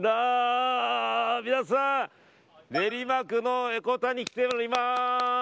皆さん練馬区の江古田に来ています。